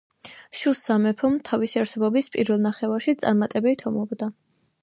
შუს სამეფო თავისი არსებობის პირველ ნახევარში წარმატებით ომობდა.